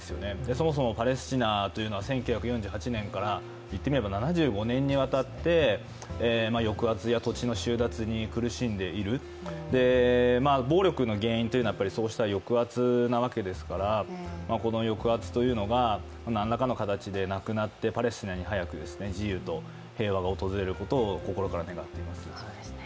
そもそもパレスチナは１９４８年からいってみれば７５年にわたって抑圧や土地の収奪に苦しんでいる暴力の原因というのはそうした抑圧なわけですからこの抑圧というのが何らかの形でなくなってパレスチナに早く自由と平和が訪れることを心から願っています。